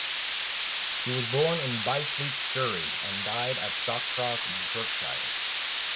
He was born at Byfleet, Surrey and died at Stockcross, Berkshire.